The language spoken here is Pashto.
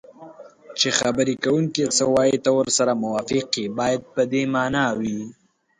چې خبرې کوونکی څه وایي ته ورسره موافق یې باید په دې مانا وي